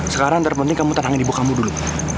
sekarang terpenting kamu tenangin ibu kamu dulu